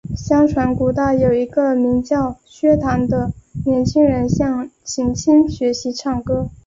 相传古代有一个名叫薛谭的年轻人向秦青学习唱歌。